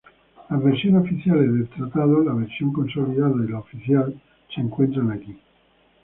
Las versiones oficiales de Tratado, la versión consolidada y la oficial, se encuentran aquí.